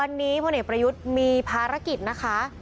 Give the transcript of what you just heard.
วันนี้พลเอกประยุทธ์มีภารกิจนะคะ